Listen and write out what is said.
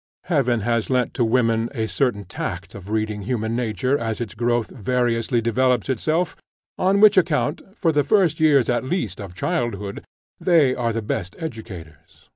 Heaven has lent to women a certain tact of reading human nature as its growth variously developes itself, on which account, for the first years at least of childhood, they are the best educators.